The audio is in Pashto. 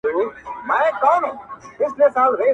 هغه خو بيا و گارې ته ولاړه ده حيرانه~